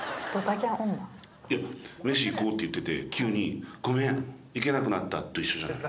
メシ行こうって言ってて急に「ごめん行けなくなった」と一緒じゃない？